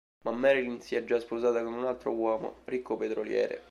Ma Marilyn si è già sposata con un altro uomo, ricco petroliere.